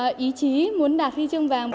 em luôn nấu ý chí muốn đạt huy chương vàng